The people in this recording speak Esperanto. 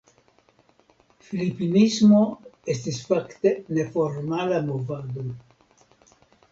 Filipinismo estis fakte neformala movado.